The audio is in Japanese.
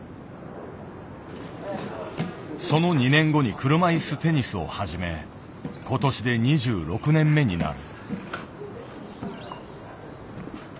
その２年後に車いすテニスを始め今年で２６年目になる。